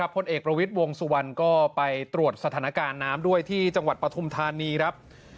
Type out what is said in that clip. พลเอกประวิทย์วงสุวรรณก็ไปตรวจสถานการณ์น้ำด้วยที่จังหวัดปฐุมธานีครับ